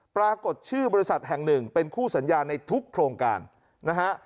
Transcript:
ปรากฏชื่อบริษัทแห่งหนึ่งเป็นคู่สัญญาในทุกโครงการนะฮะ